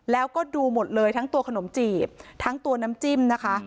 แล้วก็ดูหมดเลยทั้งตัวขนมจีบทั้งตัวน้ำจิ้มนะคะ